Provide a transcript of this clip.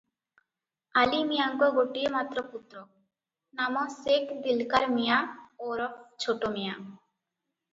"ଆଲିମିଆଁଙ୍କ ଗୋଟିଏ ମାତ୍ର ପୁତ୍ର, ନାମ ସେଖ୍ ଦିଲ୍କାର ମିଆଁ ଓରଫ ଛୋଟମିଆଁ ।